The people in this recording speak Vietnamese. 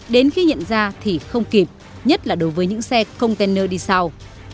đến khi nhận ra thì không kịp nhất là đối với những xe không tên nơi đi sau